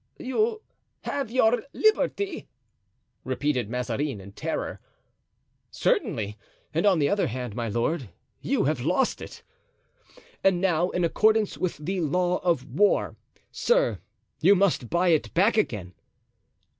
"You have your liberty?" repeated Mazarin, in terror. "Certainly; and on the other hand, my lord, you have lost it, and now, in accordance with the law of war, sir, you must buy it back again."